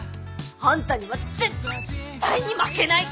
あんたには絶対に負けない！